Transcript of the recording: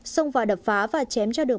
xông vào đập phá và chém cho được